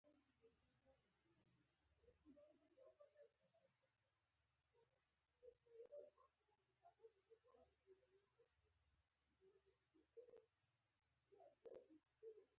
ازادي راډیو د چاپیریال ساتنه په اړه د خلکو وړاندیزونه ترتیب کړي.